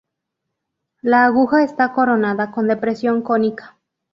La aguja está coronada con depresión cónica.